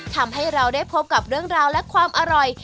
ทำให้เราได้พบกับเรื่องราวและความอร่อย